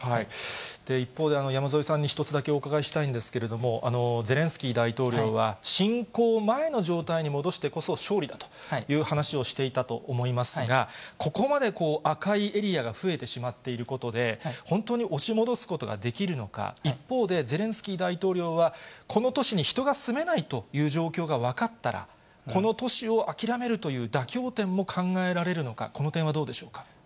一方で山添さんに一つだけお伺いしたいんですけれども、ゼレンスキー大統領は侵攻前の状態に戻してこそ勝利だという話をしていたと思いますが、ここまで赤いエリアが増えてしまっているということで、本当に押し戻すことができるのか、一方でゼレンスキー大統領は、この都市に人が住めないという状況が分かったら、この都市を諦めるという妥協点も考えられるのか、この点はどうでしょうか？